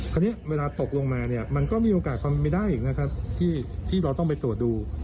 คราวนี้เวลาตกลงมาเนี่ยมันก็มีโอกาสความไม่ได้อีกนะครับที่เราต้องไปตรวจดู